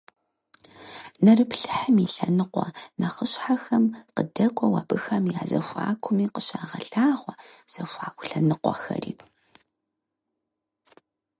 Нэрыплъыхьым и лъэныкъуэ нэхъыщхьэхэм къыдэкӀуэу абыхэм я зэхуакуми къыщагъэлъагъуэ зэхуаку лъэныкъуэхэри.